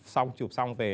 xong chụp xong về